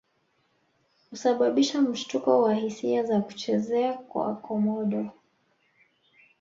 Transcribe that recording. Husababisha mshtuko wa hisia za kuchezea kwa Komodo